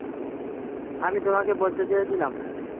আমি তোমাকে বলতে চেয়েছিলাম।